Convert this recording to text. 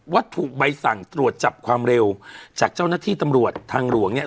ถูกใบสั่งตรวจจับความเร็วจากเจ้าหน้าที่ตำรวจทางหลวงเนี่ย